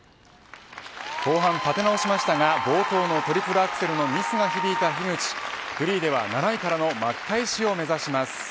後半、立て直しましたが冒頭のトリプルアクセルのミスが響いた樋口フリーでは７位からの巻き返しを目指します。